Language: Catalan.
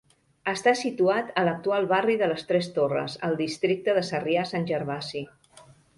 Està situat a l'actual barri de les Tres Torres, al districte de Sarrià-Sant Gervasi.